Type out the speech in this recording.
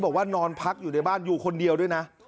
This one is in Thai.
บอกว่านอนพักอยู่ในบ้านอยู่คนเดียวด้วยนะ